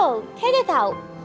oh tata tau